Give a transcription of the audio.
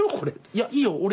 いやいいよ俺。